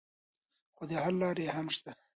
خو د حل لارې یې هم شته.